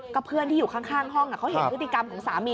ก็เพื่อนที่อยู่ข้างห้องเขาเห็นพฤติกรรมของสามี